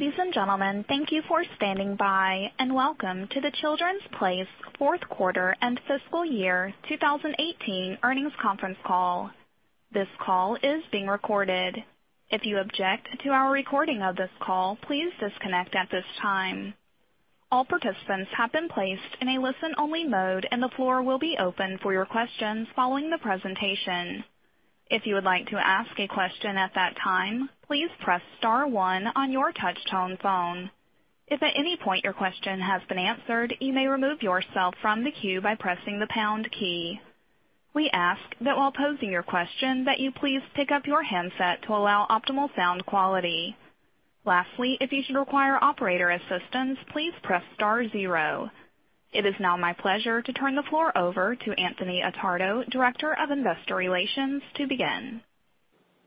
Ladies and gentlemen, thank you for standing by, welcome to The Children's Place fourth quarter and fiscal year 2018 earnings conference call. This call is being recorded. If you object to our recording of this call, please disconnect at this time. All participants have been placed in a listen-only mode, the floor will be open for your questions following the presentation. If you would like to ask a question at that time, please press star one on your touch-tone phone. If at any point your question has been answered, you may remove yourself from the queue by pressing the pound key. We ask that while posing your question that you please pick up your handset to allow optimal sound quality. Lastly, if you should require operator assistance, please press star zero. It is now my pleasure to turn the floor over to Anthony Attardo, Director of Investor Relations, to begin.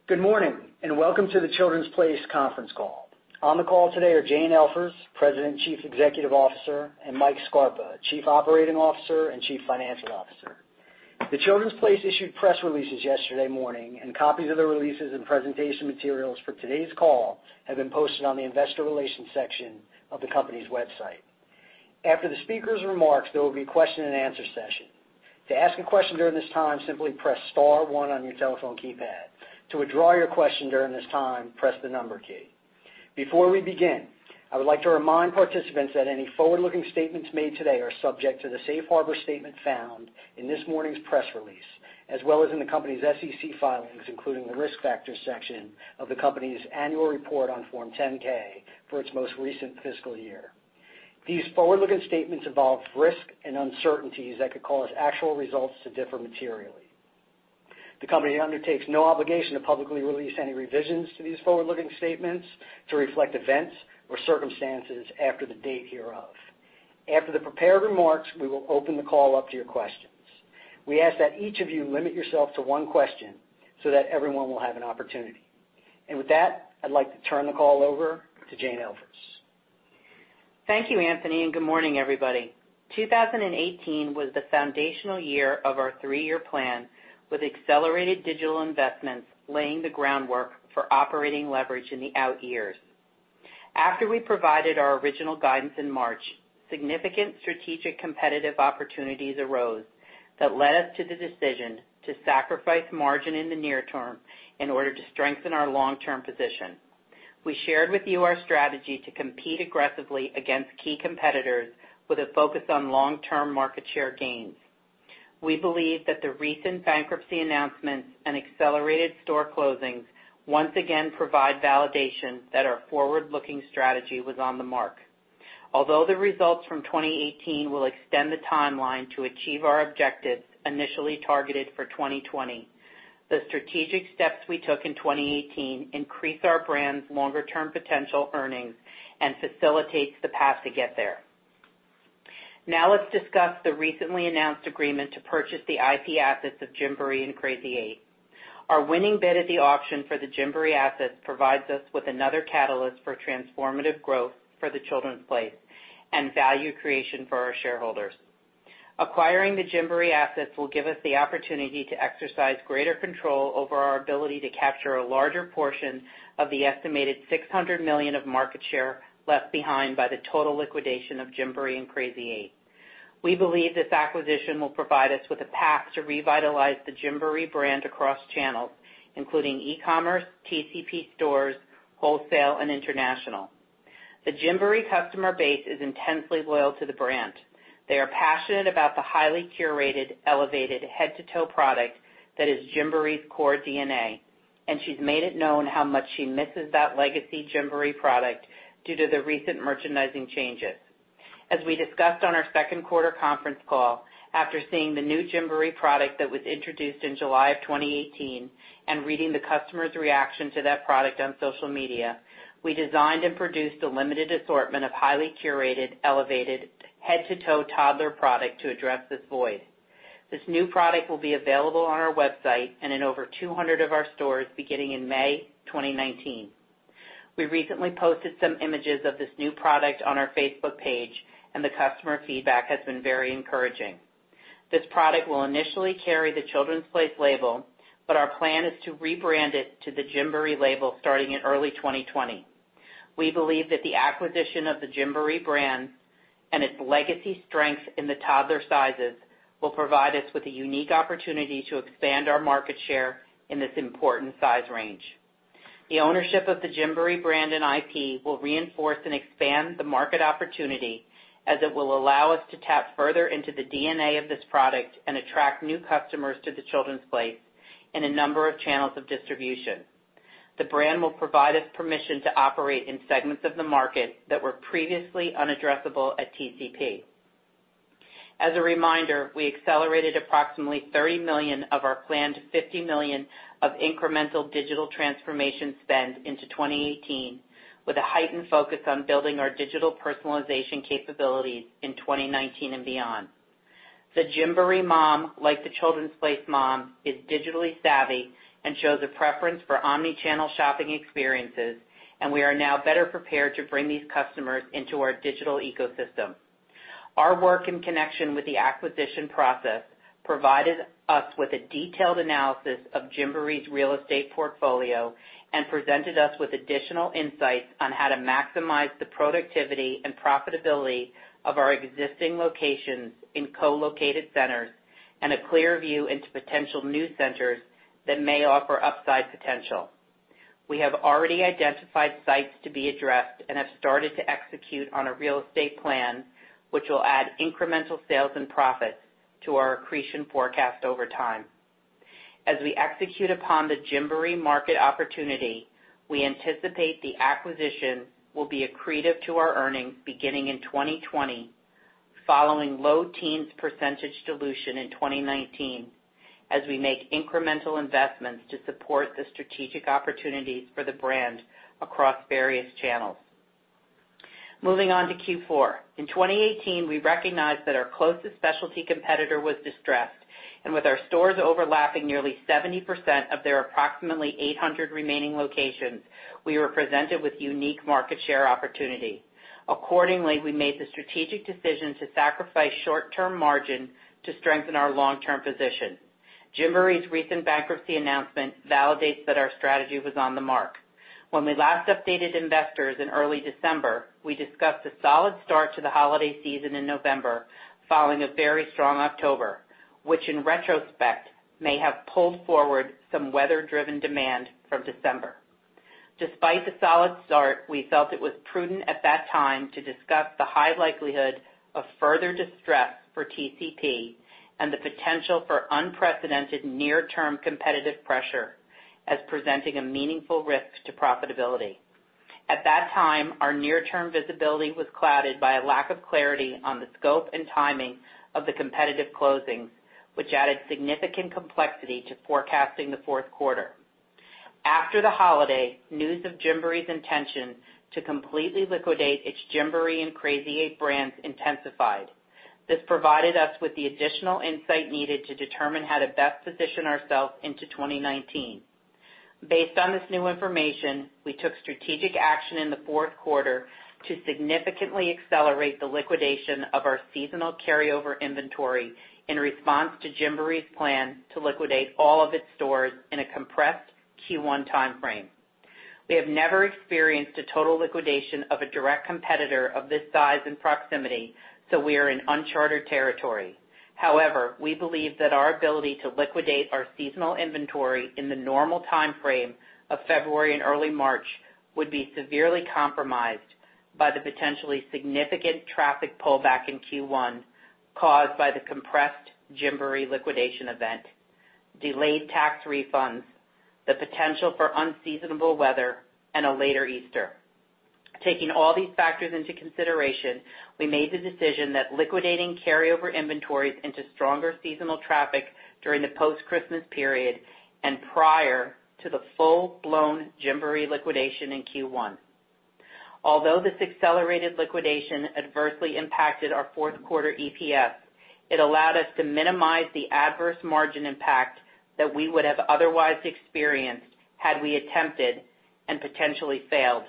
Good morning, welcome to The Children's Place conference call. On the call today are Jane Elfers, President Chief Executive Officer, Mike Scarpa, Chief Operating Officer and Chief Financial Officer. The Children's Place issued press releases yesterday morning, copies of the releases and presentation materials for today's call have been posted on the investor relations section of the company's website. After the speakers' remarks, there will be a question and answer session. To ask a question during this time, simply press star one on your telephone keypad. To withdraw your question during this time, press the pound key. Before we begin, I would like to remind participants that any forward-looking statements made today are subject to the safe harbor statement found in this morning's press release, as well as in the company's SEC filings, including the Risk Factors section of the company's annual report on Form 10-K for its most recent fiscal year. These forward-looking statements involve risks and uncertainties that could cause actual results to differ materially. The company undertakes no obligation to publicly release any revisions to these forward-looking statements to reflect events or circumstances after the date hereof. After the prepared remarks, we will open the call up to your questions. We ask that each of you limit yourself to one question so that everyone will have an opportunity. With that, I'd like to turn the call over to Jane Elfers. Thank you, Anthony, and good morning, everybody. 2018 was the foundational year of our three-year plan, with accelerated digital investments laying the groundwork for operating leverage in the out years. After we provided our original guidance in March, significant strategic competitive opportunities arose that led us to the decision to sacrifice margin in the near term in order to strengthen our long-term position. We shared with you our strategy to compete aggressively against key competitors with a focus on long-term market share gains. We believe that the recent bankruptcy announcements and accelerated store closings once again provide validation that our forward-looking strategy was on the mark. Although the results from 2018 will extend the timeline to achieve our objectives initially targeted for 2020, the strategic steps we took in 2018 increase our brand's longer-term potential earnings and facilitates the path to get there. Let's discuss the recently announced agreement to purchase the IP assets of Gymboree and Crazy 8. Our winning bid at the auction for the Gymboree assets provides us with another catalyst for transformative growth for The Children's Place and value creation for our shareholders. Acquiring the Gymboree assets will give us the opportunity to exercise greater control over our ability to capture a larger portion of the estimated $600 million of market share left behind by the total liquidation of Gymboree and Crazy 8. We believe this acquisition will provide us with a path to revitalize the Gymboree brand across channels, including e-commerce, TCP stores, wholesale, and international. The Gymboree customer base is intensely loyal to the brand. They are passionate about the highly curated, elevated head-to-toe product that is Gymboree's core DNA, and she's made it known how much she misses that legacy Gymboree product due to the recent merchandising changes. As we discussed on our second quarter conference call, after seeing the new Gymboree product that was introduced in July of 2018 and reading the customers' reaction to that product on social media, we designed and produced a limited assortment of highly curated, elevated head-to-toe toddler product to address this void. This new product will be available on our website and in over 200 of our stores beginning in May 2019. We recently posted some images of this new product on our Facebook page, and the customer feedback has been very encouraging. This product will initially carry The Children's Place label, but our plan is to rebrand it to the Gymboree label starting in early 2020. We believe that the acquisition of the Gymboree brand and its legacy strength in the toddler sizes will provide us with a unique opportunity to expand our market share in this important size range. The ownership of the Gymboree brand and IP will reinforce and expand the market opportunity as it will allow us to tap further into the DNA of this product and attract new customers to The Children's Place in a number of channels of distribution. The brand will provide us permission to operate in segments of the market that were previously unaddressable at TCP. As a reminder, we accelerated approximately $30 million of our planned $50 million of incremental digital transformation spend into 2018 with a heightened focus on building our digital personalization capabilities in 2019 and beyond. The Gymboree mom, like The Children's Place mom, is digitally savvy and shows a preference for omni-channel shopping experiences. We are now better prepared to bring these customers into our digital ecosystem. Our work in connection with the acquisition process provided us with a detailed analysis of Gymboree's real estate portfolio and presented us with additional insights on how to maximize the productivity and profitability of our existing locations in co-located centers, and a clear view into potential new centers that may offer upside potential. We have already identified sites to be addressed and have started to execute on a real estate plan which will add incremental sales and profits to our accretion forecast over time. As we execute upon the Gymboree market opportunity, we anticipate the acquisition will be accretive to our earnings beginning in 2020, following low teens percentage dilution in 2019 as we make incremental investments to support the strategic opportunities for the brand across various channels. Moving on to Q4. In 2018, we recognized that our closest specialty competitor was distressed, and with our stores overlapping nearly 70% of their approximately 800 remaining locations, we were presented with unique market share opportunity. Accordingly, we made the strategic decision to sacrifice short-term margin to strengthen our long-term position. Gymboree's recent bankruptcy announcement validates that our strategy was on the mark. When we last updated investors in early December, we discussed a solid start to the holiday season in November, following a very strong October, which in retrospect, may have pulled forward some weather-driven demand from December. Despite the solid start, we felt it was prudent at that time to discuss the high likelihood of further distress for TCP and the potential for unprecedented near-term competitive pressure as presenting a meaningful risk to profitability. At that time, our near-term visibility was clouded by a lack of clarity on the scope and timing of the competitive closings, which added significant complexity to forecasting the fourth quarter. After the holiday, news of Gymboree's intention to completely liquidate its Gymboree and Crazy 8 brands intensified. This provided us with the additional insight needed to determine how to best position ourselves into 2019. Based on this new information, we took strategic action in the fourth quarter to significantly accelerate the liquidation of our seasonal carryover inventory in response to Gymboree's plan to liquidate all of its stores in a compressed Q1 timeframe. We have never experienced a total liquidation of a direct competitor of this size and proximity. We are in unchartered territory. However, we believe that our ability to liquidate our seasonal inventory in the normal timeframe of February and early March would be severely compromised by the potentially significant traffic pullback in Q1 caused by the compressed Gymboree liquidation event, delayed tax refunds, the potential for unseasonable weather, and a later Easter. Taking all these factors into consideration, we made the decision that liquidating carryover inventories into stronger seasonal traffic during the post-Christmas period and prior to the full-blown Gymboree liquidation in Q1. Although this accelerated liquidation adversely impacted our fourth quarter EPS, it allowed us to minimize the adverse margin impact that we would have otherwise experienced had we attempted and potentially failed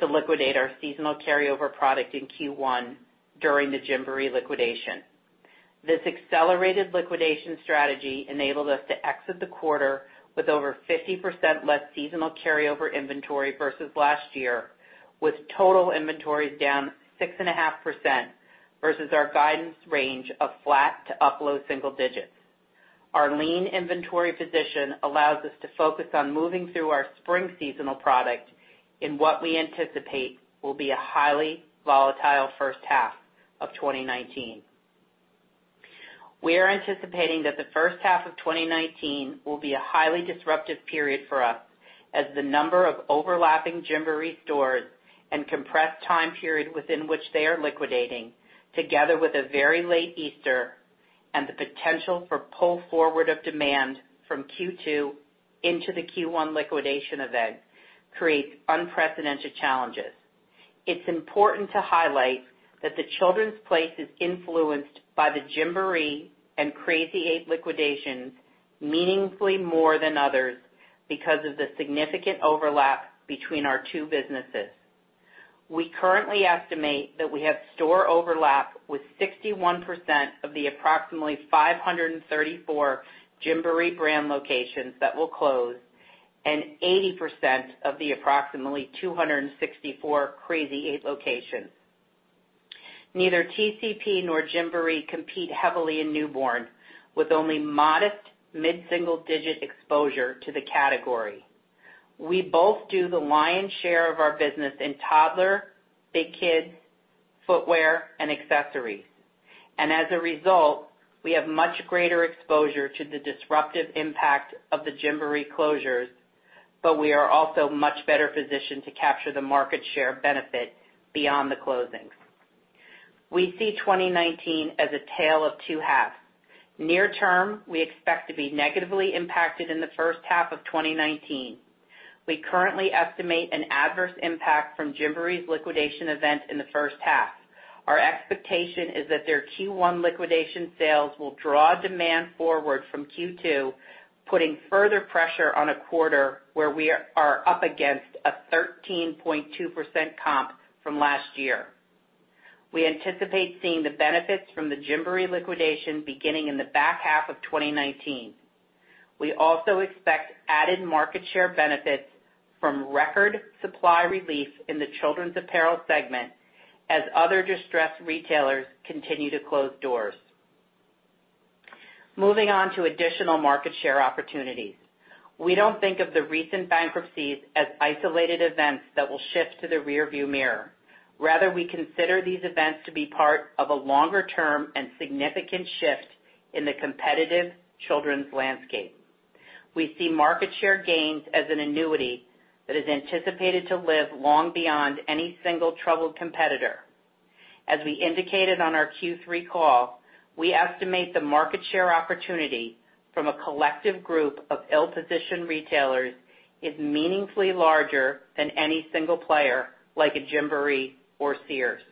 to liquidate our seasonal carryover product in Q1 during the Gymboree liquidation. This accelerated liquidation strategy enabled us to exit the quarter with over 50% less seasonal carryover inventory versus last year, with total inventories down 6.5% versus our guidance range of flat to up low single digits. Our lean inventory position allows us to focus on moving through our spring seasonal product in what we anticipate will be a highly volatile first half of 2019. We are anticipating that the first half of 2019 will be a highly disruptive period for us as the number of overlapping Gymboree stores and compressed time period within which they are liquidating, together with a very late Easter and the potential for pull forward of demand from Q2 into the Q1 liquidation event, creates unprecedented challenges. It's important to highlight that The Children's Place is influenced by the Gymboree and Crazy 8 liquidations meaningfully more than others because of the significant overlap between our two businesses. We currently estimate that we have store overlap with 61% of the approximately 534 Gymboree brand locations that will close and 80% of the approximately 264 Crazy 8 locations. Neither TCP nor Gymboree compete heavily in newborn, with only modest mid-single digit exposure to the category. We both do the lion's share of our business in toddler, big kids, footwear, and accessories. As a result, we have much greater exposure to the disruptive impact of the Gymboree closures, but we are also much better positioned to capture the market share benefit beyond the closings. We see 2019 as a tale of two halves. Near term, we expect to be negatively impacted in the first half of 2019. We currently estimate an adverse impact from Gymboree's liquidation event in the first half. Our expectation is that their Q1 liquidation sales will draw demand forward from Q2, putting further pressure on a quarter where we are up against a 13.2% comp from last year. We anticipate seeing the benefits from the Gymboree liquidation beginning in the back half of 2019. We also expect added market share benefits from record supply relief in the children's apparel segment as other distressed retailers continue to close doors. Moving on to additional market share opportunities. We don't think of the recent bankruptcies as isolated events that will shift to the rear view mirror. Rather, we consider these events to be part of a longer-term and significant shift in the competitive children's landscape. We see market share gains as an annuity that is anticipated to live long beyond any single troubled competitor. As we indicated on our Q3 call, we estimate the market share opportunity from a collective group of ill-positioned retailers is meaningfully larger than any single player, like a Gymboree or Sears.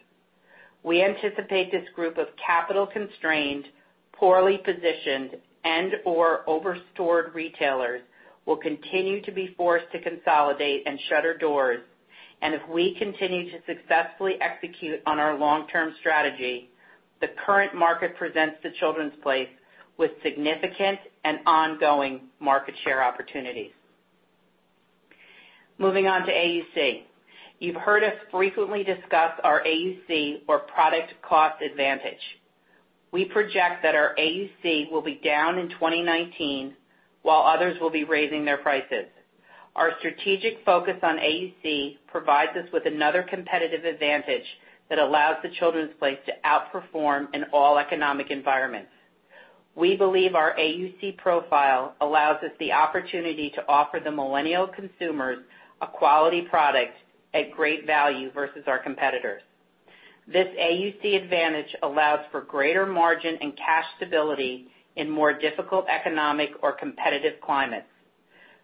We anticipate this group of capital-constrained, poorly positioned, and/or over-stored retailers will continue to be forced to consolidate and shutter doors. If we continue to successfully execute on our long-term strategy, the current market presents The Children’s Place with significant and ongoing market share opportunities. Moving on to AUC. You've heard us frequently discuss our AUC or product cost advantage. We project that our AUC will be down in 2019, while others will be raising their prices. Our strategic focus on AUC provides us with another competitive advantage that allows The Children’s Place to outperform in all economic environments. We believe our AUC profile allows us the opportunity to offer the millennial consumers a quality product at great value versus our competitors. This AUC advantage allows for greater margin and cash stability in more difficult economic or competitive climates.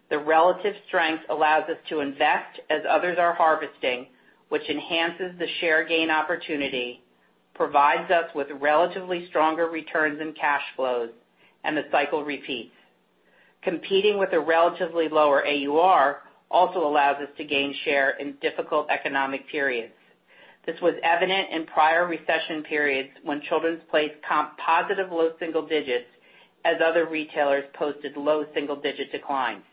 The relative strength allows us to invest as others are harvesting, which enhances the share gain opportunity, provides us with relatively stronger returns and cash flows, and the cycle repeats. Competing with a relatively lower AUR also allows us to gain share in difficult economic periods. This was evident in prior recession periods when Children's Place comped positive low single digits as other retailers posted low single-digit declines.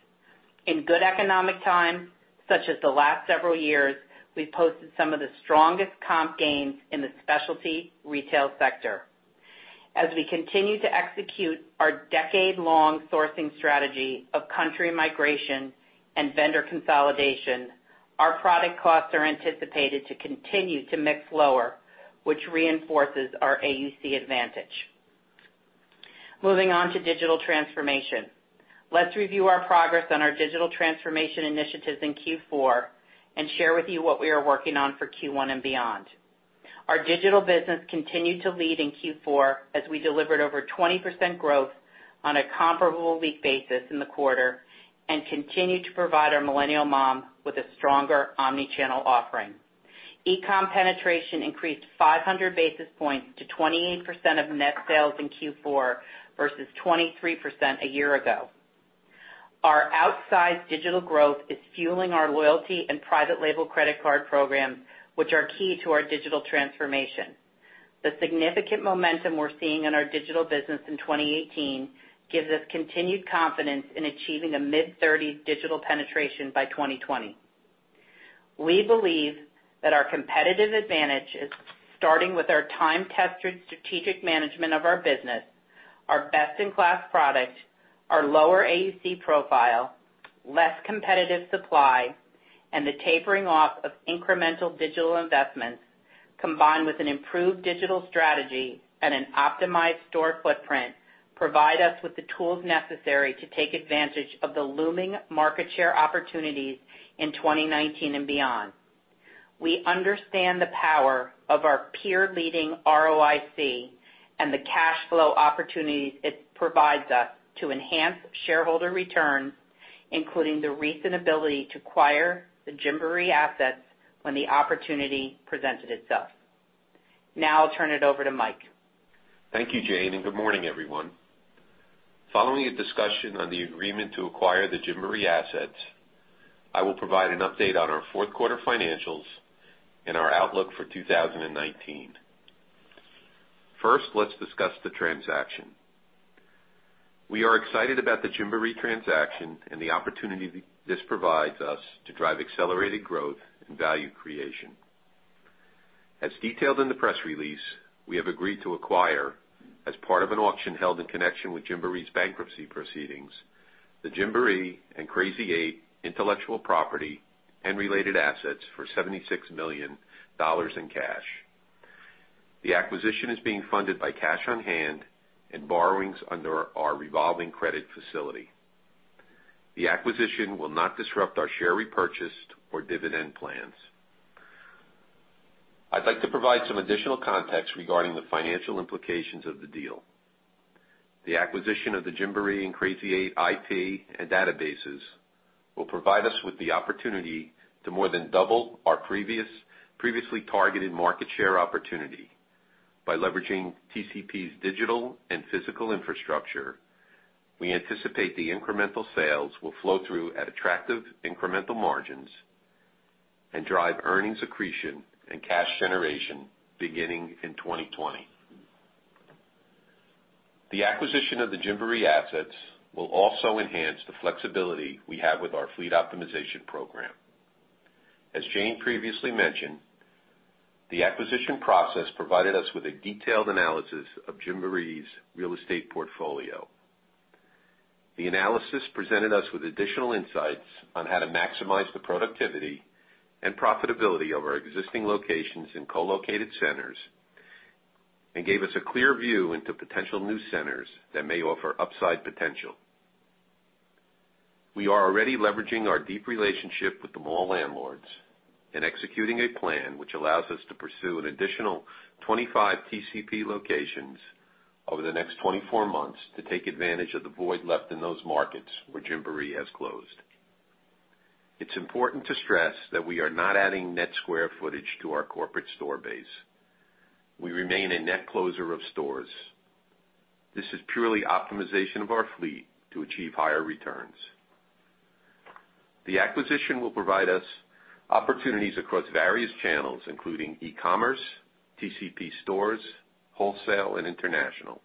In good economic times, such as the last several years, we've posted some of the strongest comp gains in the specialty retail sector. As we continue to execute our decade-long sourcing strategy of country migration and vendor consolidation, our product costs are anticipated to continue to mix lower, which reinforces our AUC advantage. Moving on to digital transformation. Let's review our progress on our digital transformation initiatives in Q4 and share with you what we are working on for Q1 and beyond. Our digital business continued to lead in Q4 as we delivered over 20% growth on a comparable week basis in the quarter and continued to provide our millennial mom with a stronger omni-channel offering. E-com penetration increased 500 basis points to 28% of net sales in Q4 versus 23% a year ago. Our outsized digital growth is fueling our loyalty and private label credit card programs, which are key to our digital transformation. The significant momentum we're seeing in our digital business in 2018 gives us continued confidence in achieving a mid-30 digital penetration by 2020. We believe that our competitive advantage is starting with our time-tested strategic management of our business, our best-in-class product, our lower AUC profile, less competitive supply, and the tapering off of incremental digital investments, combined with an improved digital strategy and an optimized store footprint, provide us with the tools necessary to take advantage of the looming market share opportunities in 2019 and beyond. We understand the power of our peer-leading ROIC and the cash flow opportunities it provides us to enhance shareholder returns, including the recent ability to acquire the Gymboree assets when the opportunity presented itself. Now I'll turn it over to Mike. Thank you, Jane, and good morning, everyone. Following a discussion on the agreement to acquire the Gymboree assets, I will provide an update on our fourth quarter financials and our outlook for 2019. First, let's discuss the transaction. We are excited about the Gymboree transaction and the opportunity this provides us to drive accelerated growth and value creation. As detailed in the press release, we have agreed to acquire, as part of an auction held in connection with Gymboree's bankruptcy proceedings, the Gymboree and Crazy 8 intellectual property and related assets for $76 million in cash. The acquisition is being funded by cash on hand and borrowings under our revolving credit facility. The acquisition will not disrupt our share repurchase or dividend plans. I'd like to provide some additional context regarding the financial implications of the deal. The acquisition of the Gymboree and Crazy 8 IP and databases will provide us with the opportunity to more than double our previously targeted market share opportunity. By leveraging TCP's digital and physical infrastructure, we anticipate the incremental sales will flow through at attractive incremental margins and drive earnings accretion and cash generation beginning in 2020. The acquisition of the Gymboree assets will also enhance the flexibility we have with our fleet optimization program. As Jane previously mentioned, the acquisition process provided us with a detailed analysis of Gymboree's real estate portfolio. The analysis presented us with additional insights on how to maximize the productivity and profitability of our existing locations in co-located centers and gave us a clear view into potential new centers that may offer upside potential. We are already leveraging our deep relationship with the mall landlords and executing a plan which allows us to pursue an additional 25 TCP locations over the next 24 months to take advantage of the void left in those markets where Gymboree has closed. It's important to stress that we are not adding net square footage to our corporate store base. We remain a net closer of stores. This is purely optimization of our fleet to achieve higher returns. The acquisition will provide us opportunities across various channels, including e-commerce, TCP stores, wholesale, and international.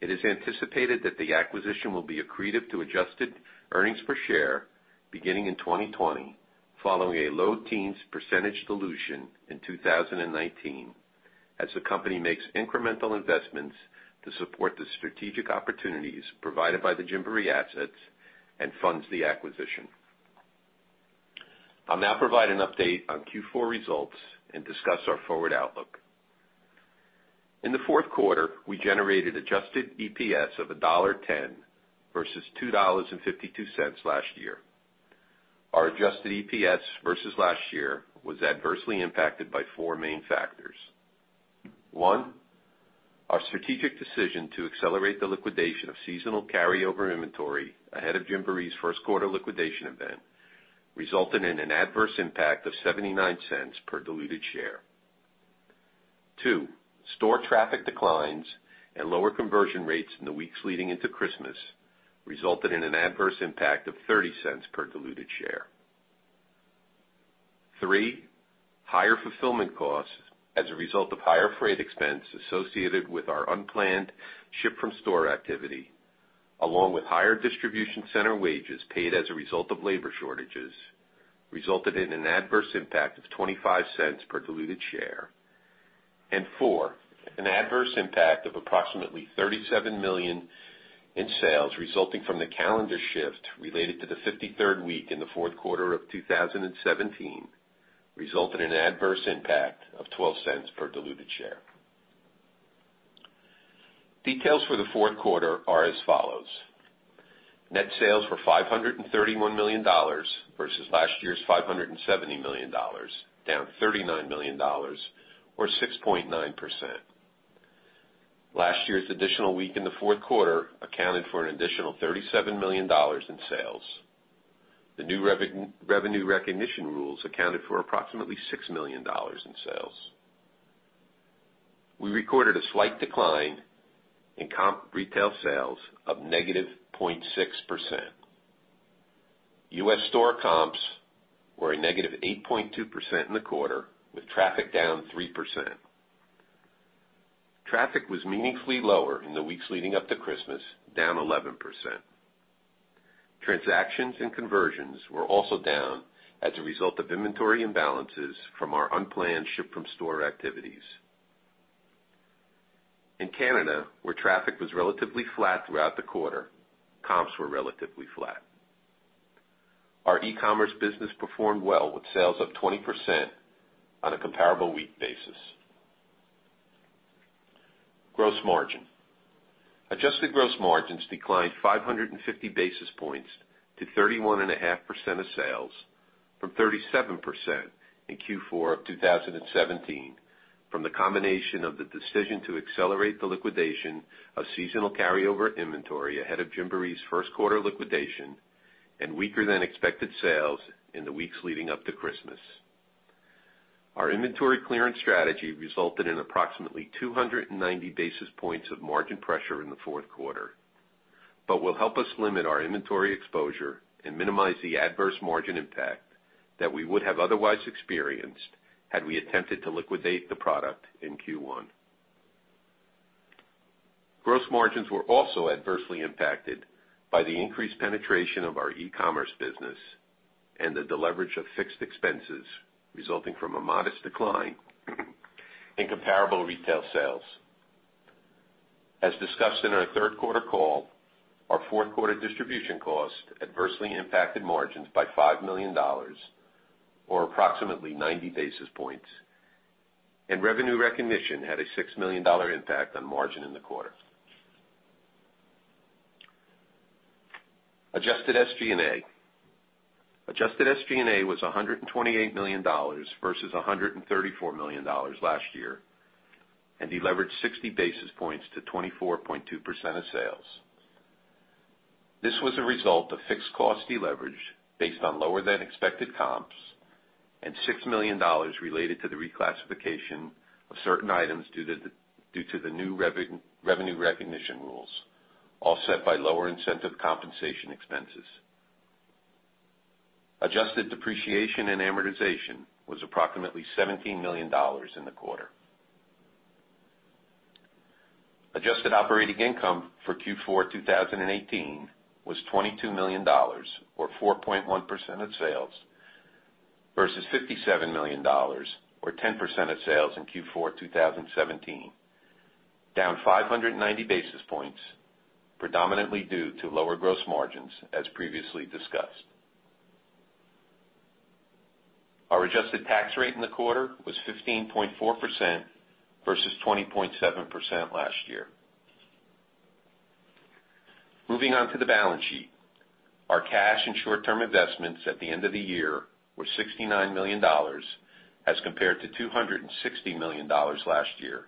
It is anticipated that the acquisition will be accretive to adjusted earnings per share beginning in 2020, following a low teens percentage dilution in 2019 as the company makes incremental investments to support the strategic opportunities provided by the Gymboree assets and funds the acquisition. I'll now provide an update on Q4 results and discuss our forward outlook. In the fourth quarter, we generated adjusted EPS of $1.10 versus $2.52 last year. Our adjusted EPS versus last year was adversely impacted by four main factors. One, our strategic decision to accelerate the liquidation of seasonal carryover inventory ahead of Gymboree's first-quarter liquidation event resulted in an adverse impact of $0.79 per diluted share. Two, store traffic declines and lower conversion rates in the weeks leading into Christmas resulted in an adverse impact of $0.30 per diluted share. Three, higher fulfillment costs as a result of higher freight expense associated with our unplanned ship-from-store activity, along with higher distribution center wages paid as a result of labor shortages, resulted in an adverse impact of $0.25 per diluted share. Four, an adverse impact of approximately $37 million in sales resulting from the calendar shift related to the 53rd week in the fourth quarter of 2017 resulted in an adverse impact of $0.12 per diluted share. Details for the fourth quarter are as follows. Net sales were $531 million versus last year's $570 million, down $39 million, or 6.9%. Last year's additional week in the fourth quarter accounted for an additional $37 million in sales. The new revenue recognition rules accounted for approximately $6 million in sales. We recorded a slight decline in comp retail sales of -0.6%. U.S. store comps were a -8.2% in the quarter, with traffic down 3%. Traffic was meaningfully lower in the weeks leading up to Christmas, down 11%. Transactions and conversions were also down as a result of inventory imbalances from our unplanned ship-from-store activities. In Canada, where traffic was relatively flat throughout the quarter, comps were relatively flat. Our e-commerce business performed well, with sales up 20% on a comparable week basis. Gross margin. Adjusted gross margins declined 550 basis points to 31.5% of sales from 37% in Q4 of 2017 from the combination of the decision to accelerate the liquidation of seasonal carryover inventory ahead of Gymboree's first quarter liquidation and weaker than expected sales in the weeks leading up to Christmas. Our inventory clearance strategy resulted in approximately 290 basis points of margin pressure in the fourth quarter, but will help us limit our inventory exposure and minimize the adverse margin impact that we would have otherwise experienced had we attempted to liquidate the product in Q1. Gross margins were also adversely impacted by the increased penetration of our e-commerce business and the deleverage of fixed expenses resulting from a modest decline in comparable retail sales. As discussed in our third-quarter call, our fourth-quarter distribution cost adversely impacted margins by $5 million, or approximately 90 basis points, and revenue recognition had a $6 million impact on margin in the quarter. Adjusted SG&A. Adjusted SG&A was $128 million versus $134 million last year and deleveraged 60 basis points to 24.2% of sales. This was a result of fixed cost deleverage based on lower than expected comps and $6 million related to the reclassification of certain items due to the new revenue recognition rules, offset by lower incentive compensation expenses. Adjusted depreciation and amortization was approximately $17 million in the quarter. Adjusted operating income for Q4 2018 was $22 million, or 4.1% of sales, versus $57 million, or 10% of sales, in Q4 2017, down 590 basis points, predominantly due to lower gross margins as previously discussed. Our adjusted tax rate in the quarter was 15.4% versus 20.7% last year. Moving on to the balance sheet. Our cash and short-term investments at the end of the year were $69 million as compared to $260 million last year,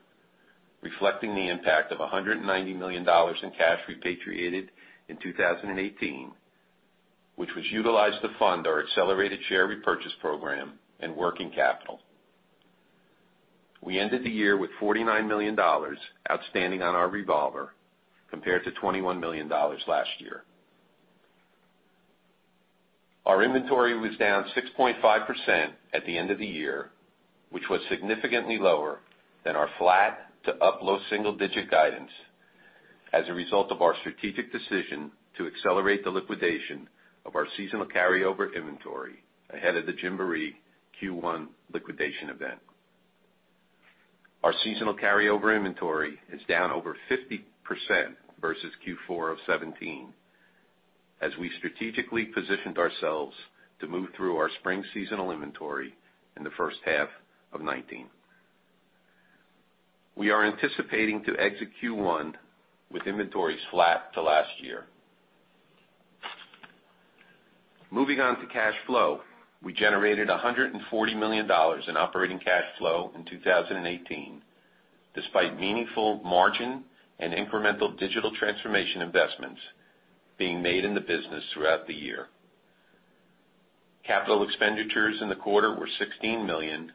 reflecting the impact of $190 million in cash repatriated in 2018, which was utilized to fund our accelerated share repurchase program and working capital. We ended the year with $49 million outstanding on our revolver, compared to $21 million last year. Our inventory was down 6.5% at the end of the year, which was significantly lower than our flat to up low single digit guidance as a result of our strategic decision to accelerate the liquidation of our seasonal carryover inventory ahead of the Gymboree Q1 liquidation event. Our seasonal carryover inventory is down over 50% versus Q4 of 2017, as we strategically positioned ourselves to move through our spring seasonal inventory in the first half of 2019. We are anticipating to exit Q1 with inventories flat to last year. Moving on to cash flow. We generated $140 million in operating cash flow in 2018, despite meaningful margin and incremental digital transformation investments being made in the business throughout the year. Capital expenditures in the quarter were $16 million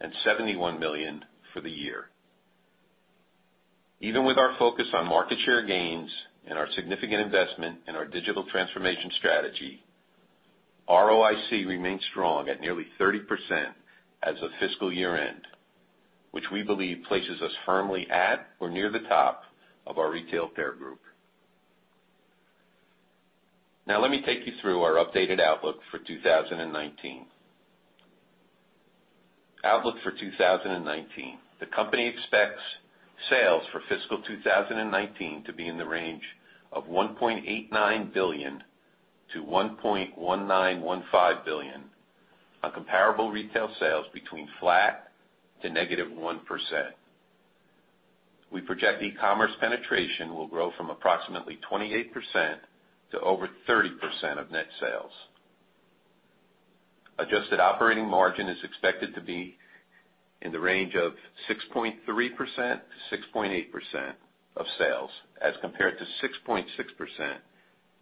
and $71 million for the year. Even with our focus on market share gains and our significant investment in our digital transformation strategy, ROIC remains strong at nearly 30% as of fiscal year-end, which we believe places us firmly at or near the top of our retail peer group. Now let me take you through our updated outlook for 2019. Outlook for 2019. The company expects sales for fiscal 2019 to be in the range of $1.89 billion-$1.1915 billion, on comparable retail sales between flat to -1%. We project e-commerce penetration will grow from approximately 28% to over 30% of net sales. Adjusted operating margin is expected to be in the range of 6.3%-6.8% of sales as compared to 6.6%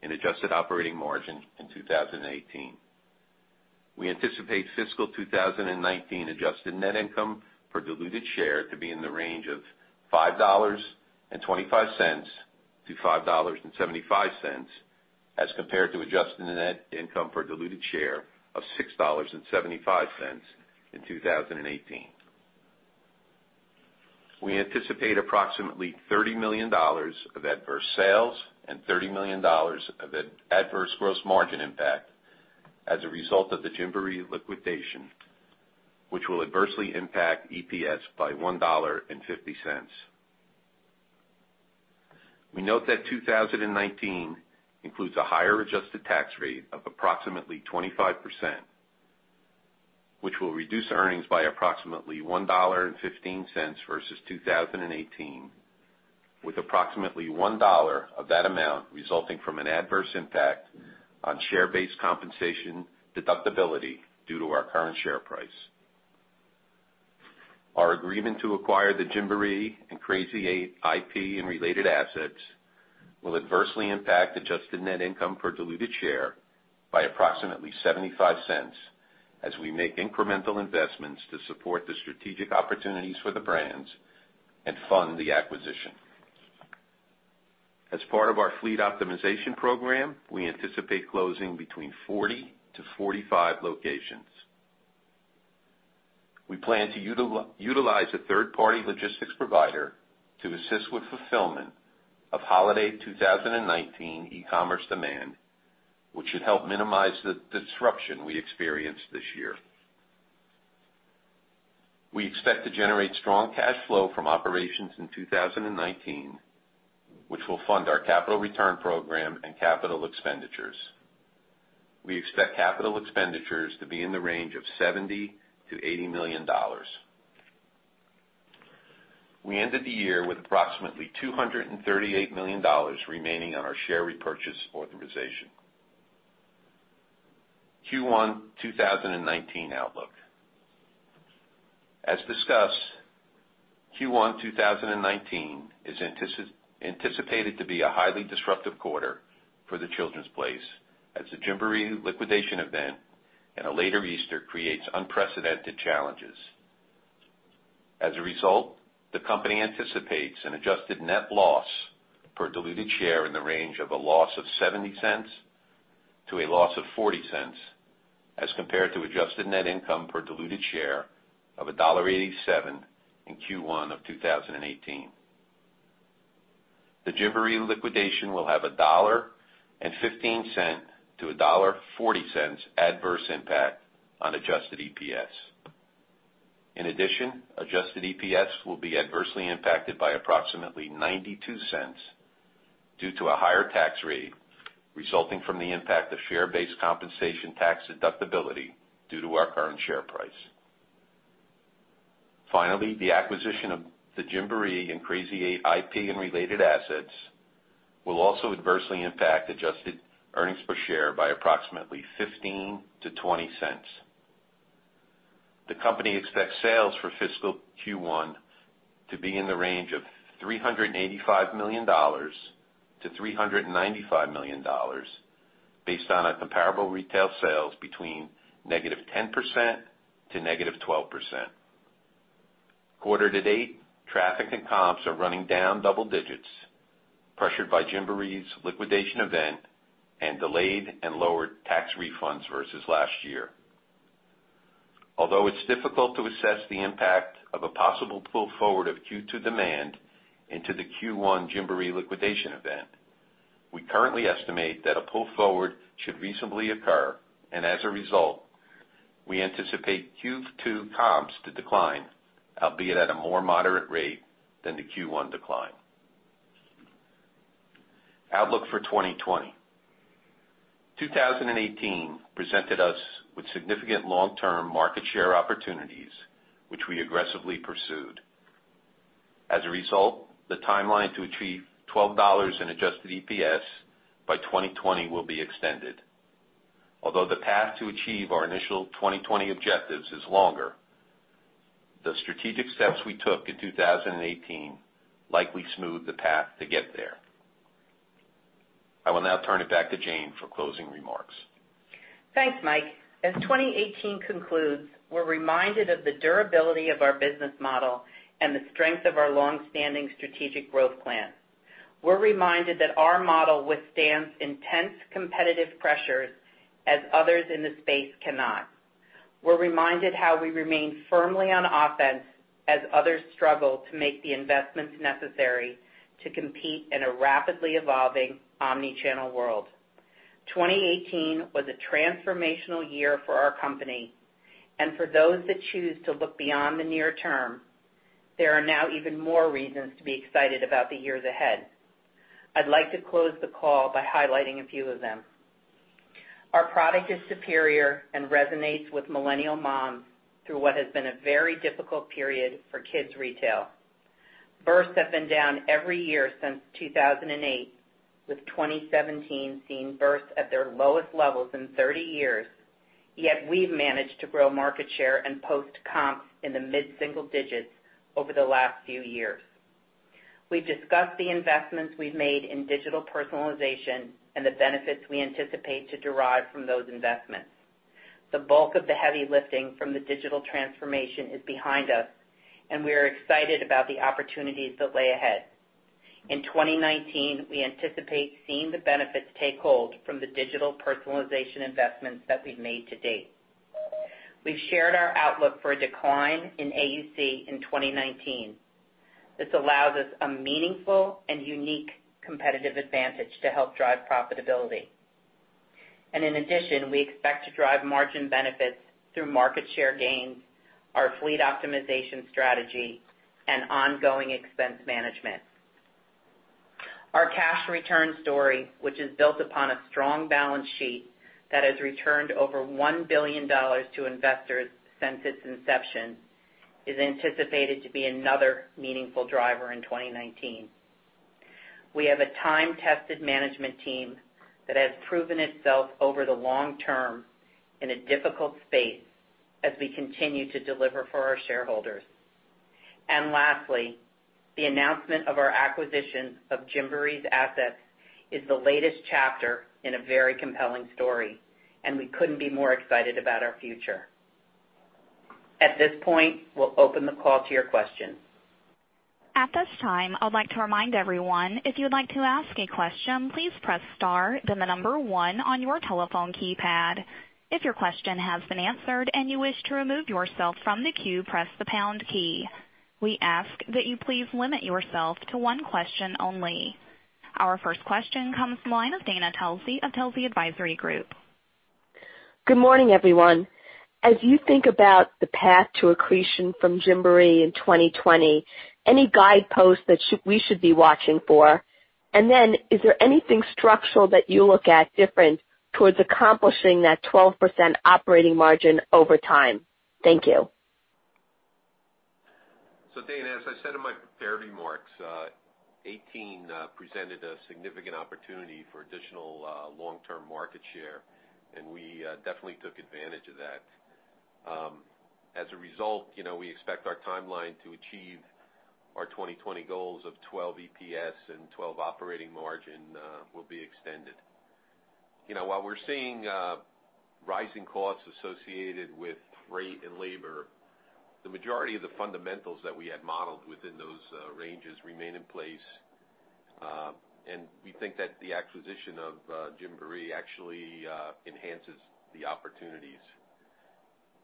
in adjusted operating margin in 2018. We anticipate fiscal 2019 adjusted net income for diluted share to be in the range of $5.25-$5.75 as compared to adjusted net income for diluted share of $6.75 in 2018. We anticipate approximately $30 million of adverse sales and $30 million of adverse gross margin impact as a result of the Gymboree liquidation, which will adversely impact EPS by $1.50. We note that 2019 includes a higher adjusted tax rate of approximately 25%, which will reduce earnings by approximately $1.15 versus 2018, with approximately $1 of that amount resulting from an adverse impact on share-based compensation deductibility due to our current share price. Our agreement to acquire the Gymboree and Crazy 8 IP and related assets will adversely impact adjusted net income per diluted share by approximately $0.75 as we make incremental investments to support the strategic opportunities for the brands and fund the acquisition. As part of our fleet optimization program, we anticipate closing between 40-45 locations. We plan to utilize a third-party logistics provider to assist with fulfillment of holiday 2019 e-commerce demand, which should help minimize the disruption we experienced this year. We expect to generate strong cash flow from operations in 2019, which will fund our capital return program and capital expenditures. We expect capital expenditures to be in the range of $70 million-$80 million. We ended the year with approximately $238 million remaining on our share repurchase authorization. Q1 2019 outlook. As discussed, Q1 2019 is anticipated to be a highly disruptive quarter for The Children's Place as the Gymboree liquidation event and a later Easter creates unprecedented challenges. As a result, the company anticipates an adjusted net loss per diluted share in the range of a loss of $0.70 to a loss of $0.40, as compared to adjusted net income per diluted share of $1.87 in Q1 of 2018. The Gymboree liquidation will have a $1.15-$1.40 adverse impact on adjusted EPS. In addition, adjusted EPS will be adversely impacted by approximately $0.92 due to a higher tax rate resulting from the impact of share-based compensation tax deductibility due to our current share price. Finally, the acquisition of the Gymboree and Crazy 8 IP and related assets will also adversely impact adjusted earnings per share by approximately $0.15-$0.20. The company expects sales for fiscal Q1 to be in the range of $385 million-$395 million, based on a comparable retail sales between -10% to -12%. Quarter-to-date, traffic and comps are running down double digits, pressured by Gymboree's liquidation event and delayed and lower tax refunds versus last year. Although it's difficult to assess the impact of a possible pull forward of Q2 demand into the Q1 Gymboree liquidation event, we currently estimate that a pull forward should reasonably occur, and as a result, we anticipate Q2 comps to decline, albeit at a more moderate rate than the Q1 decline. Outlook for 2020. 2018 presented us with significant long-term market share opportunities, which we aggressively pursued. As a result, the timeline to achieve $12 in adjusted EPS by 2020 will be extended. Although the path to achieve our initial 2020 objectives is longer, the strategic steps we took in 2018 likely smoothed the path to get there. I will now turn it back to Jane for closing remarks. Thanks, Mike. As 2018 concludes, we're reminded of the durability of our business model and the strength of our longstanding strategic growth plan. We're reminded that our model withstands intense competitive pressures as others in the space cannot. We're reminded how we remain firmly on offense as others struggle to make the investments necessary to compete in a rapidly evolving omni-channel world. 2018 was a transformational year for our company. For those that choose to look beyond the near term, there are now even more reasons to be excited about the years ahead. I'd like to close the call by highlighting a few of them. Our product is superior and resonates with millennial moms through what has been a very difficult period for kids retail. Births have been down every year since 2008, with 2017 seeing births at their lowest levels in 30 years. Yet we've managed to grow market share and post comps in the mid-single digits over the last few years. We've discussed the investments we've made in digital personalization and the benefits we anticipate to derive from those investments. The bulk of the heavy lifting from the digital transformation is behind us, and we are excited about the opportunities that lay ahead. In 2019, we anticipate seeing the benefits take hold from the digital personalization investments that we've made to date. We've shared our outlook for a decline in AUC in 2019. This allows us a meaningful and unique competitive advantage to help drive profitability. In addition, we expect to drive margin benefits through market share gains, our fleet optimization strategy, and ongoing expense management. Our cash return story, which is built upon a strong balance sheet that has returned over $1 billion to investors since its inception, is anticipated to be another meaningful driver in 2019. We have a time-tested management team that has proven itself over the long term in a difficult space as we continue to deliver for our shareholders. Lastly, the announcement of our acquisition of Gymboree's assets is the latest chapter in a very compelling story, and we couldn't be more excited about our future. At this point, we'll open the call to your questions. At this time, I'd like to remind everyone, if you'd like to ask a question, please press star, then the number one on your telephone keypad. If your question has been answered and you wish to remove yourself from the queue, press the pound key. We ask that you please limit yourself to one question only. Our first question comes from the line of Dana Telsey of Telsey Advisory Group. Good morning, everyone. As you think about the path to accretion from Gymboree in 2020, any guideposts that we should be watching for? Is there anything structural that you look at different towards accomplishing that 12% operating margin over time? Thank you. Dana, as I said in my prepared remarks, 2018 presented a significant opportunity for additional long-term market share, and we definitely took advantage of that. As a result, we expect our timeline to achieve our 2020 goals of 12 EPS and 12 operating margin will be extended. While we're seeing rising costs associated with rate and labor, the majority of the fundamentals that we had modeled within those ranges remain in place. We think that the acquisition of Gymboree actually enhances the opportunities.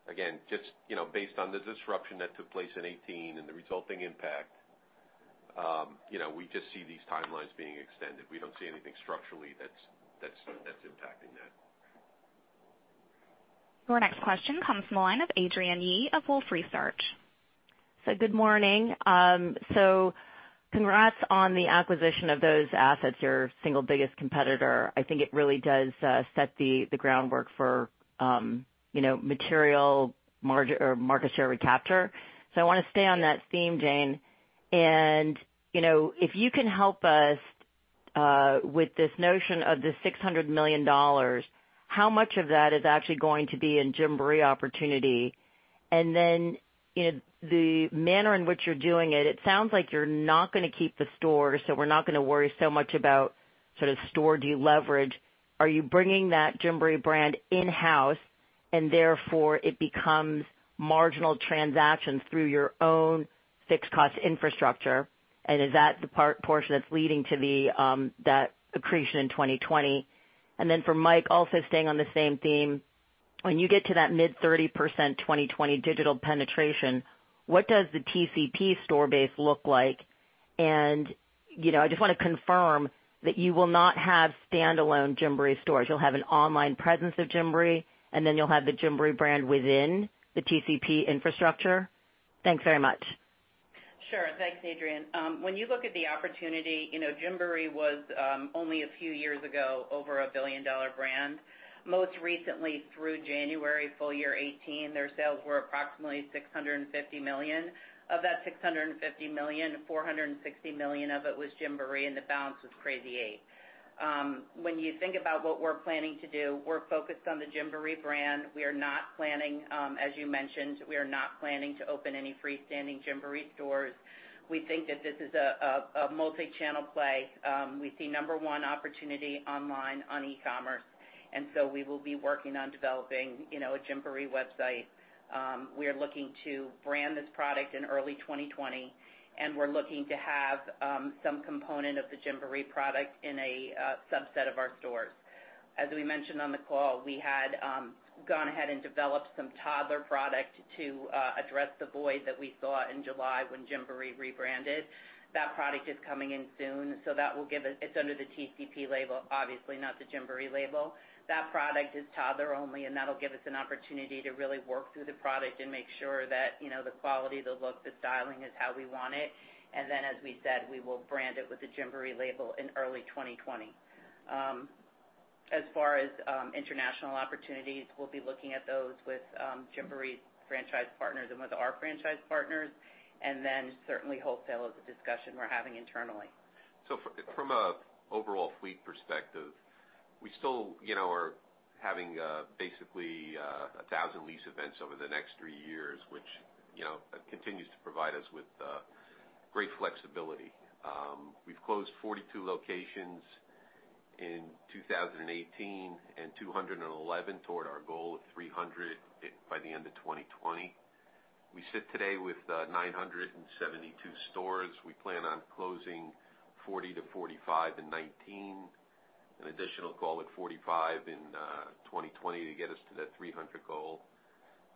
Again, just based on the disruption that took place in 2018 and the resulting impact, we just see these timelines being extended. We don't see anything structurally that's impacting that. Your next question comes from the line of Adrienne Yih of Wolfe Research. Good morning. Congrats on the acquisition of those assets, your single biggest competitor. I think it really does set the groundwork for material market share recapture. I want to stay on that theme, Jane, and if you can help us with this notion of the $600 million, how much of that is actually going to be in Gymboree opportunity? The manner in which you're doing it sounds like you're not gonna keep the stores, so we're not gonna worry so much about sort of store de-leverage. Are you bringing that Gymboree brand in-house and therefore it becomes marginal transactions through your own fixed cost infrastructure? Is that the portion that's leading to that accretion in 2020? For Mike, also staying on the same theme, when you get to that mid 30% 2020 digital penetration, what does the TCP store base look like? I just want to confirm that you will not have standalone Gymboree stores. You'll have an online presence of Gymboree, you'll have the Gymboree brand within the TCP infrastructure. Thanks very much. Sure. Thanks, Adrienne Yih. When you look at the opportunity, Gymboree was only a few years ago, over a billion-dollar brand. Most recently through January full year 2018, their sales were approximately $650 million. Of that $650 million, $460 million of it was Gymboree and the balance was Crazy 8. When you think about what we're planning to do, we're focused on the Gymboree brand. We are not planning, as you mentioned, to open any freestanding Gymboree stores. We think that this is a multi-channel play. We see number one opportunity online on e-commerce, we will be working on developing a Gymboree website. We are looking to brand this product in early 2020, we're looking to have some component of the Gymboree product in a subset of our stores. As we mentioned on the call, we had gone ahead and developed some toddler product to address the void that we saw in July when Gymboree rebranded. That product is coming in soon, that will give us-- it's under the TCP label, obviously not the Gymboree label. That product is toddler only, that'll give us an opportunity to really work through the product and make sure that the quality, the look, the styling is how we want it. As we said, we will brand it with the Gymboree label in early 2020. As far as international opportunities, we'll be looking at those with Gymboree's franchise partners and with our franchise partners. Certainly wholesale is a discussion we're having internally. From an overall fleet perspective, we still are having basically 1,000 lease events over the next three years, which continues to provide us with great flexibility. We've closed 42 locations in 2018 and 211 toward our goal of 300 by the end of 2020. We sit today with 972 stores. We plan on closing 40-45 in 2019, an additional call at 45 in 2020 to get us to that 300 goal.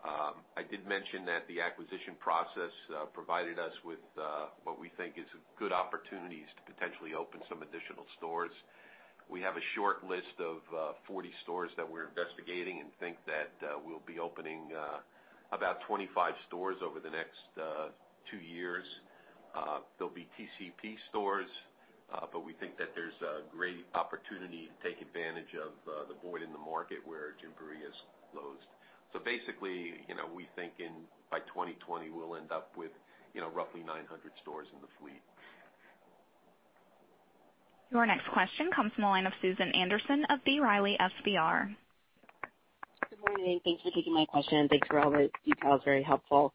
I did mention that the acquisition process provided us with what we think is good opportunities to potentially open some additional stores. We have a short list of 40 stores that we're investigating and think that we'll be opening about 25 stores over the next two years. They'll be TCP stores, but we think that there's a great opportunity to take advantage of the void in the market where Gymboree has closed. Basically, we think by 2020, we'll end up with roughly 900 stores in the fleet. Your next question comes from the line of Susan Anderson of B. Riley FBR. Good morning. Thank you for taking my question. Thanks for all the details. Very helpful.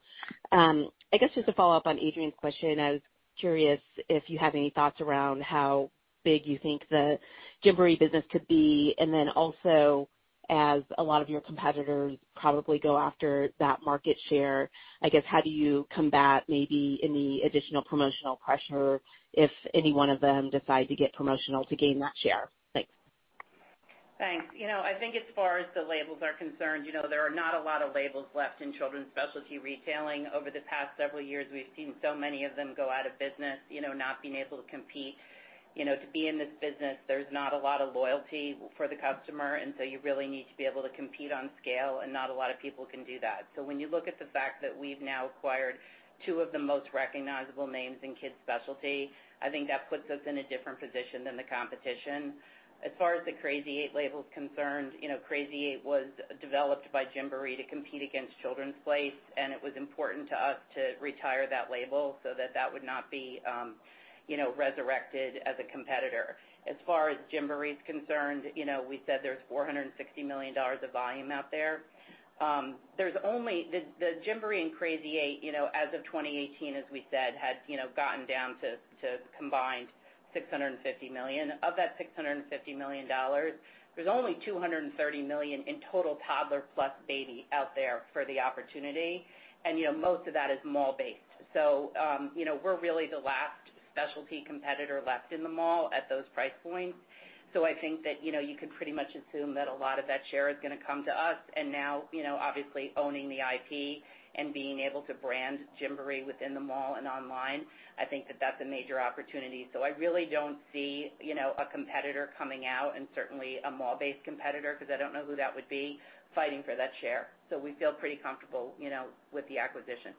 I guess just to follow up on Adrienne's question, I was curious if you have any thoughts around how big you think the Gymboree business could be. Also, as a lot of your competitors probably go after that market share, I guess how do you combat maybe any additional promotional pressure if any one of them decide to get promotional to gain that share? Thanks. Thanks. I think as far as the labels are concerned, there are not a lot of labels left in children's specialty retailing. Over the past several years, we've seen so many of them go out of business, not being able to compete. To be in this business, there's not a lot of loyalty for the customer. You really need to be able to compete on scale, and not a lot of people can do that. When you look at the fact that we've now acquired two of the most recognizable names in kids specialty, I think that puts us in a different position than the competition. As far as the Crazy 8 label's concerned, Crazy 8 was developed by Gymboree to compete against Children's Place, and it was important to us to retire that label so that that would not be resurrected as a competitor. As far as Gymboree is concerned, we said there's $460 million of volume out there. The Gymboree and Crazy 8, as of 2018, as we said, had gotten down to combined $650 million. Of that $650 million, there's only $230 million in total toddler plus baby out there for the opportunity. Most of that is mall-based. We're really the last specialty competitor left in the mall at those price points. I think that you can pretty much assume that a lot of that share is gonna come to us. Now, obviously, owning the IP and being able to brand Gymboree within the mall and online, I think that that's a major opportunity. I really don't see a competitor coming out, and certainly a mall-based competitor, because I don't know who that would be, fighting for that share. We feel pretty comfortable with the acquisition.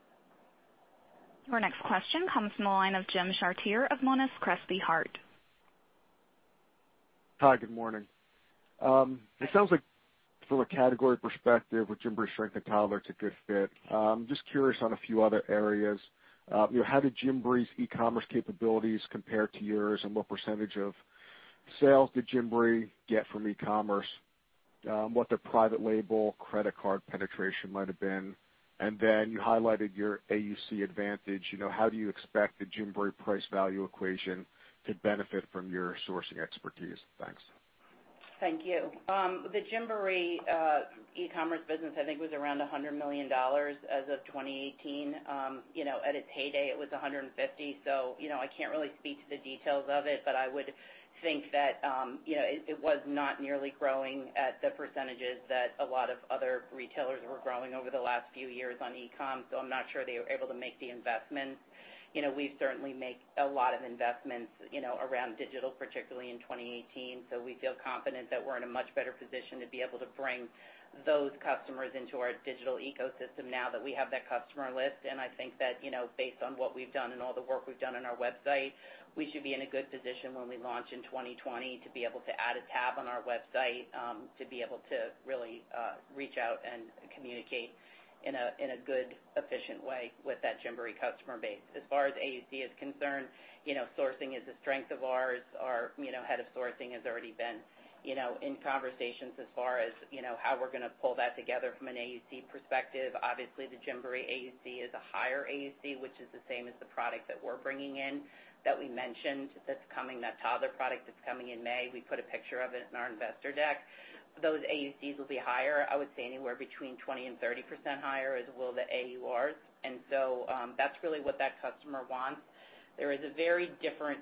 Your next question comes from the line of Jim Chartier of Monness, Crespi, Hardt. Hi, good morning. It sounds like from a category perspective, with Gymboree's strength in toddler, it's a good fit. I'm just curious on a few other areas. How did Gymboree's e-commerce capabilities compare to yours, and what percentage of sales did Gymboree get from e-commerce? What their private label credit card penetration might have been? Then you highlighted your AUC advantage. How do you expect the Gymboree price value equation to benefit from your sourcing expertise? Thanks. Thank you. The Gymboree e-commerce business, I think, was around $100 million as of 2018. At its heyday, it was $150 million. I can't really speak to the details of it, but I would think that it was not nearly growing at the percentages that a lot of other retailers were growing over the last few years on e-com, so I'm not sure they were able to make the investment. We certainly make a lot of investments around digital, particularly in 2018, so we feel confident that we're in a much better position to be able to bring those customers into our digital ecosystem now that we have that customer list. I think that based on what we've done and all the work we've done on our website, we should be in a good position when we launch in 2020 to be able to add a tab on our website to be able to really reach out and communicate in a good, efficient way with that Gymboree customer base. As far as AUC is concerned, sourcing is a strength of ours. Our head of sourcing has already been in conversations as far as how we're going to pull that together from an AUC perspective. Obviously, the Gymboree AUC is a higher AUC, which is the same as the product that we're bringing in that we mentioned that's coming, that toddler product that's coming in May. We put a picture of it in our Investor deck. Those AUCs will be higher, I would say anywhere between 20%-30% higher, as will the AURs. That's really what that customer wants. There is a very different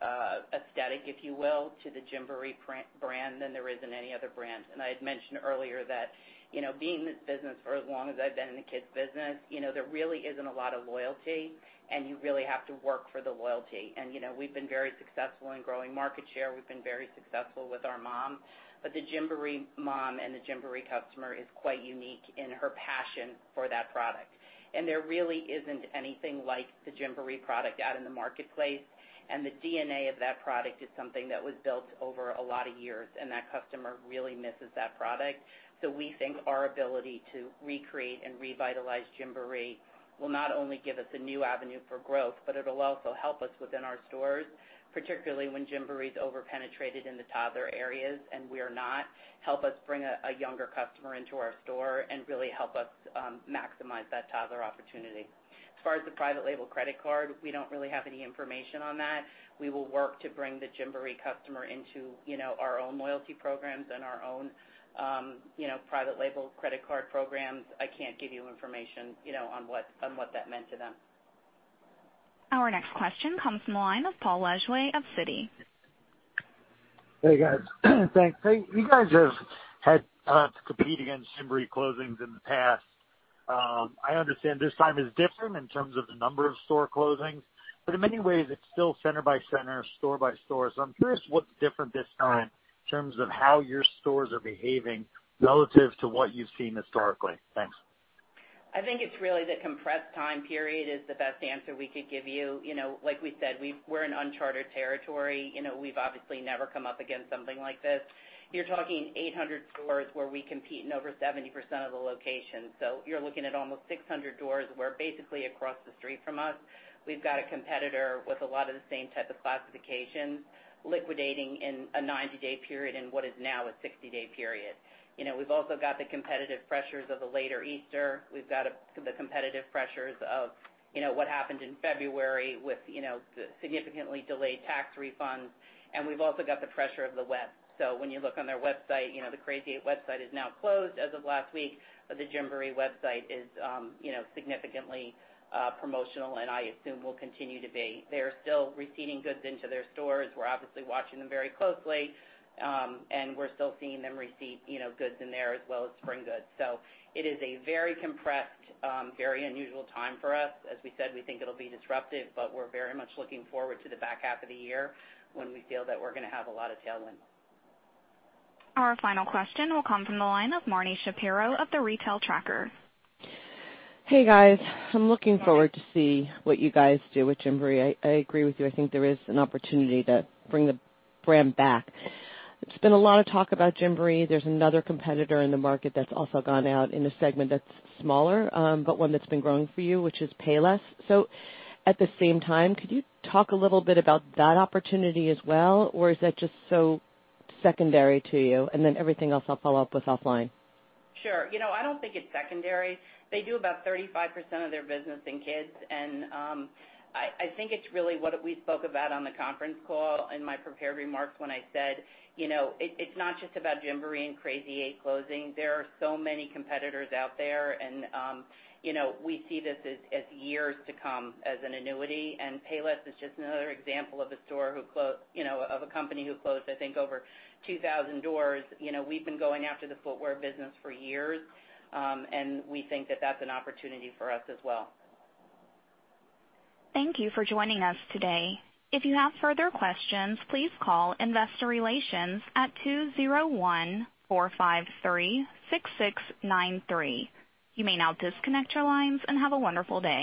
aesthetic, if you will, to the Gymboree brand than there is in any other brand. I had mentioned earlier that being in this business for as long as I've been in the kids business, there really isn't a lot of loyalty, and you really have to work for the loyalty. We've been very successful in growing market share. We've been very successful with our mom. The Gymboree mom and the Gymboree customer is quite unique in her passion for that product. There really isn't anything like the Gymboree product out in the marketplace. The DNA of that product is something that was built over a lot of years, and that customer really misses that product. We think our ability to recreate and revitalize Gymboree will not only give us a new avenue for growth, but it'll also help us within our stores, particularly when Gymboree is over-penetrated in the toddler areas and we are not, help us bring a younger customer into our store and really help us maximize that toddler opportunity. As far as the private label credit card, we don't really have any information on that. We will work to bring the Gymboree customer into our own loyalty programs and our own private label credit card programs. I can't give you information on what that meant to them. Our next question comes from the line of Paul Lejuez of Citi. Hey, guys. Thanks. You guys have had to compete against Gymboree closings in the past. I understand this time is different in terms of the number of store closings. In many ways, it's still center by center, store by store. I'm curious what's different this time in terms of how your stores are behaving relative to what you've seen historically. Thanks. I think it's really the compressed time period is the best answer we could give you. Like we said, we're in uncharted territory. We've obviously never come up against something like this. You're talking 800 stores where we compete in over 70% of the locations. You're looking at almost 600 doors, where basically across the street from us, we've got a competitor with a lot of the same type of classifications liquidating in a 90-day period in what is now a 60-day period. We've also got the competitive pressures of the later Easter. We've got the competitive pressures of what happened in February with the significantly delayed tax refunds. We've also got the pressure of the web. When you look on their website, the Crazy 8 website is now closed as of last week. The Gymboree website is significantly promotional, and I assume will continue to be. They are still receiving goods into their stores. We're obviously watching them very closely. We're still seeing them receive goods in there as well as spring goods. It is a very compressed, very unusual time for us. As we said, we think it'll be disruptive, but we're very much looking forward to the back half of the year when we feel that we're gonna have a lot of tailwinds. Our final question will come from the line of Marni Shapiro of The Retail Tracker. Hey, guys. I'm looking forward to see what you guys do with Gymboree. I agree with you. I think there is an opportunity to bring the brand back. There's been a lot of talk about Gymboree. There's another competitor in the market that's also gone out in a segment that's smaller, but one that's been growing for you, which is Payless. At the same time, could you talk a little bit about that opportunity as well? Or is that just so secondary to you? Everything else I'll follow up with offline. Sure. I don't think it's secondary. They do about 35% of their business in kids. I think it's really what we spoke about on the conference call in my prepared remarks when I said, it's not just about Gymboree and Crazy 8 closing. There are so many competitors out there, we see this as years to come as an annuity. Payless is just another example of a company who closed, I think, over 2,000 doors. We've been going after the footwear business for years. We think that that's an opportunity for us as well. Thank you for joining us today. If you have further questions, please call investor relations at 201-453-6693. You may now disconnect your lines and have a wonderful day.